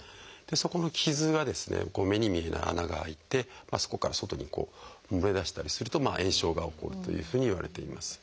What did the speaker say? そこの傷が目に見えない穴が開いてそこから外に漏れ出したりすると炎症が起こるというふうにいわれています。